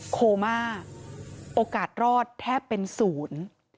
โคม่าโอกาสรอดแทบเป็นศูนย์